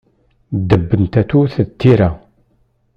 Ddeb n tatut d tira.